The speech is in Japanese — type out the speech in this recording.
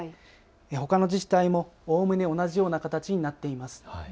ほかの自治体もおおむね同じような形になっています。